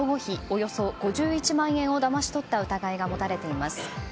およそ５１万円をだまし取った疑いが持たれています。